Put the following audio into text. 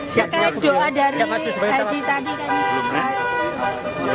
siapkan doa dari haji tadi